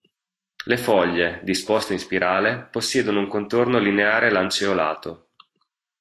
Le foglie, disposte in spirale, possiedono un contorno lineare-lanceolato.